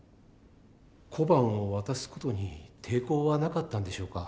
小判を渡す事に抵抗はなかったんでしょうか？